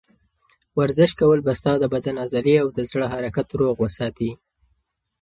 ورزش کول به ستا د بدن عضلې او د زړه حرکت روغ وساتي.